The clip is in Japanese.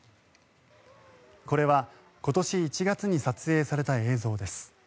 これは今年１月に撮影された映像です。